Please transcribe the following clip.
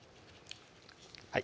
はい